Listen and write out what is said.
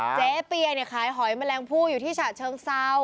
เจ๊เปียขายหอยแมลงพู่อยู่ที่ชาติเชิงเศร้า